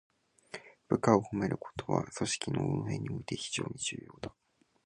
部下を褒めることは、組織の運営において非常に重要だ。